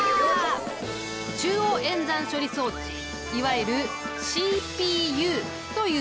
中央演算処理装置いわゆるＣＰＵというものだ。